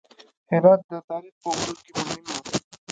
هرات د تاریخ په اوږدو کې مهم و